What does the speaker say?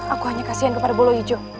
aku hanya kasihan kepada bolo ijo